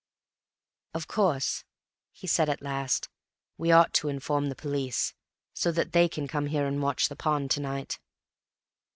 "Of course," he said at last, "we ought to inform the police, so that they can come here and watch the pond to night."